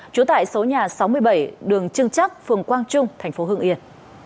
trú tại số nhà sáu mươi bảy đường trưng chắc phường quang trung tp hưng yên